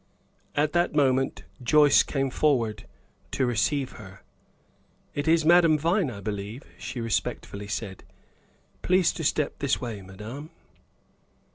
At that moment Joyce came forward to receive her. "It is Madame Vine, I believe," she respectfully said. "Please to step this way, madame."